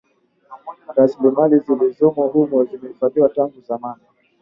Rasilimali zilizomo humo zimehifadhiwa tangu zamani